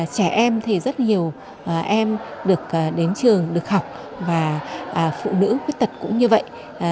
trẻ em thì rất nhiều em được đến trường được học và phụ nữ khuyết tật cũng như vậy